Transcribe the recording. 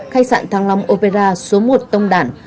khách sạn thăng long opera số một tông đản